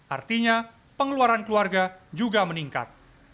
artinya pengeluaran keluarga juga meningkat